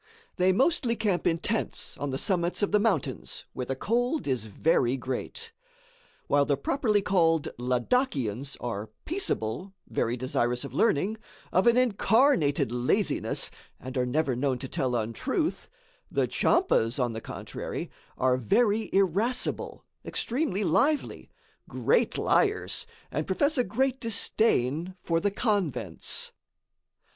They mostly camp in tents on the summits of the mountains, where the cold is very great. While the properly called Ladakians are peaceable, very desirous of learning, of an incarnated laziness, and are never known to tell untruth; the Tchampas, on the contrary, are very irascible, extremely lively, great liars and profess a great disdain for the convents.